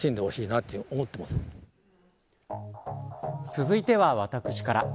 続いては私から。